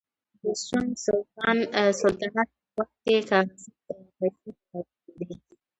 د سونګ سلطنت په وخت کې کاغذي پیسې کارول کېدې.